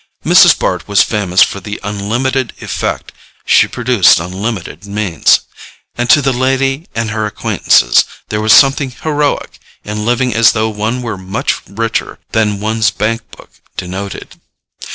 Mrs. Bart was famous for the unlimited effect she produced on limited means; and to the lady and her acquaintances there was something heroic in living as though one were much richer than one's bank book denoted.